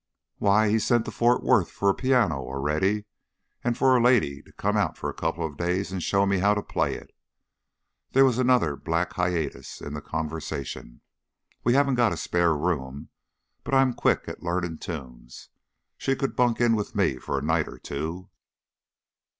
"Why, he's sent to Fort Worth for a piano, already, and for a lady to come out for a coupla days and show me how to play it!" There was another black hiatus in the conversation. "We haven't got a spare room, but I'm quick at learnin' tunes. She could bunk in with me for a night or two."